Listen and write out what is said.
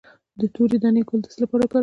د تورې دانې ګل د څه لپاره وکاروم؟